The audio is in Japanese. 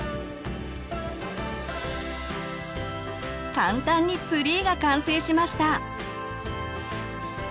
簡単にツリーが完成しました！